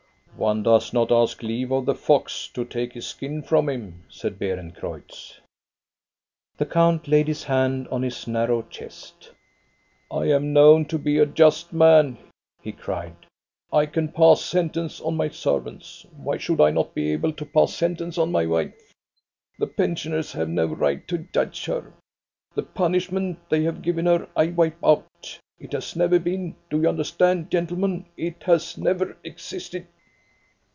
" One does not ask leave of the fox to take his skin from him," said Beerencreutz. The count laid his hand on his narrow chest. " I am known to be a just man," he cried. " I car pass sentence on my servants. Why should I not b THE YOUNG COUNTESS 193 able to pass sentence on my wife? The pensioners have no right to judge her. The punishment they have given her, I wipe out It has never been, do you understand, gentlemen. It has never existed."